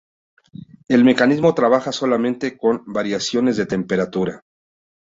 El mecanismo trabaja solamente con variaciones de temperatura.